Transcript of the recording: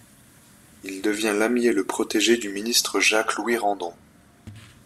Il devient l'ami et le protégé du ministre Jacques Louis Randon.